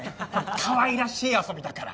かわいらしい遊びだから。